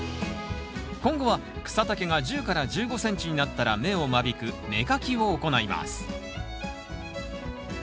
今後は草丈が１０１５ｃｍになったら芽を間引く芽かきを行います。